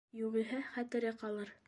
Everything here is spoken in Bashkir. Юғиһә хәтере ҡалыр.